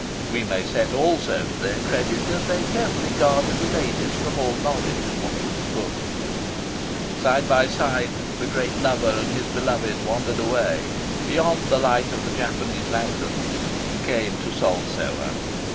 We may set also to their credit that they carefully guarded the ladies from all knowledge of what was afoot. Side by side, the great lover and his beloved wandered away, beyond the light of the Japanese lanterns, and came to Salt Cellar.